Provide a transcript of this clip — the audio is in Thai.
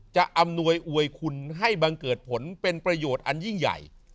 อำนวยอวยคุณให้บังเกิดผลเป็นประโยชน์อันยิ่งใหญ่